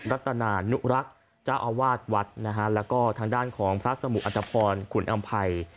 รัตนานุรักษ์เจ้าอาวาสวัดนะฮะแล้วก็ทางด้านของพระสมุอัตภพรขุนอำภัย